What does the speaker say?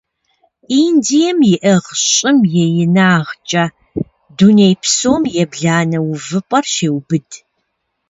Индием иӀыгъ щӀым и инагъкӀэ дуней псом ебланэ увыпӀэр щеубыд.